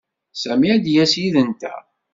Sami ad d-yas yid-nteɣ.